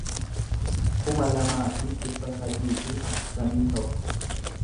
kuma lamaa fi dhibba sadii fi afurtamii tokko